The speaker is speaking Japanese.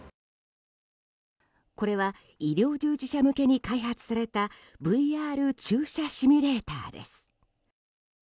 これは、医療従事者向けに開発されたＶＲ注射シミュレーターです。